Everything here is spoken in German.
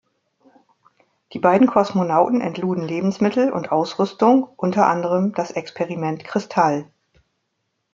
Die beiden Kosmonauten entluden Lebensmittel und Ausrüstung, unter anderem das Experiment Kristall.